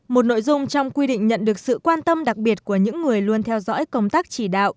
một nội dung trong quy định nhận được sự quan tâm đặc biệt của những người luôn theo dõi công tác chỉ đạo